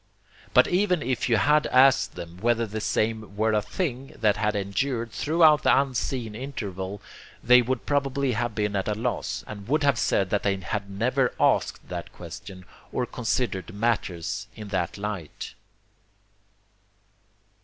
But even then if you had asked them whether the same were a 'thing' that had endured throughout the unseen interval, they would probably have been at a loss, and would have said that they had never asked that question, or considered matters in that light.